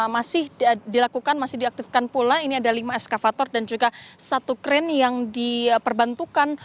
masih dilakukan masih diaktifkan pula ini ada lima eskavator dan juga satu kren yang diperbantukan